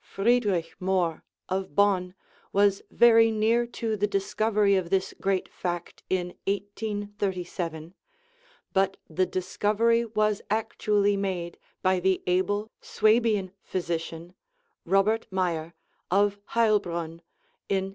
Friedrich Mohr, of Bonn, was very near to the discov ery of this great fact in 1837, but the discovery was actually made by the able Swabian physician, Robert Mayer, of Heilbronn, in 1842.